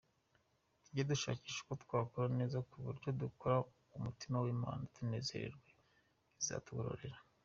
Tujye dushakisha uko twakora neza ku buryo dukora ku mutima w’Imana, itunezererwe; izatugororera.